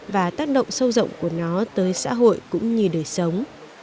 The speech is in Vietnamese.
và tác động sâu rộng của nó tới xã hội cũng như đời sống